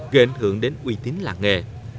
gây ảnh hưởng đến uy tín làng nghề